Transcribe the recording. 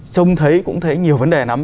trông thấy cũng thấy nhiều vấn đề lắm